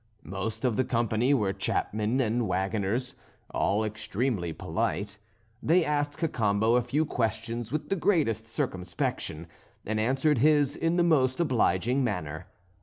Most of the company were chapmen and waggoners, all extremely polite; they asked Cacambo a few questions with the greatest circumspection, and answered his in the most obliging manner.